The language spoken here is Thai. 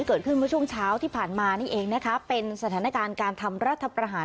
เกิดขึ้นเมื่อช่วงเช้าที่ผ่านมานี่เองนะคะเป็นสถานการณ์การทำรัฐประหาร